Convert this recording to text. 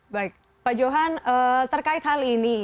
baik pak johan terkait hal ini